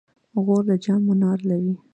غور د جام منار لري